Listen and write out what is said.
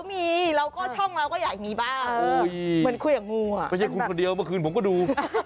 ไม่ใช่คุณคนเดียวเมื่อคืนผมก็ดู